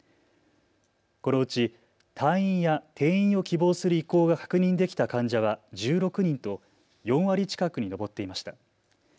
このうち退院や転院を希望する意向が確認できた患者は１６人と４割近くに上っていました。